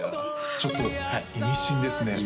ちょっと意味深ですね